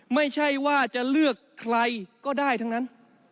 ไม่ใช่ว่าจะเลือกใครก็ได้ทั้งนั้น